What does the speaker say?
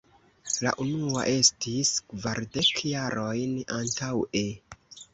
La unua estis kvardek jarojn antaŭe!